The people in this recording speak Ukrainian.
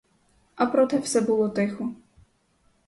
А проте все було тихо.